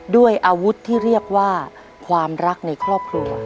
ด้วยอาวุธที่เรียกว่าความรักในครอบครัว